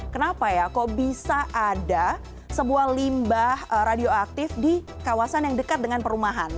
kenapa ya kok bisa ada sebuah limbah radioaktif di kawasan yang dekat dengan perumahan